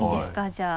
じゃあ。